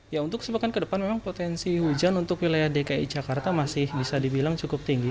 ya untuk sepekan ke depan memang potensi hujan untuk wilayah dki jakarta masih bisa dibilang cukup tinggi